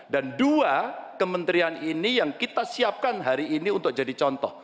dan dua kementerian ini yang kita siapkan hari ini untuk jadi contoh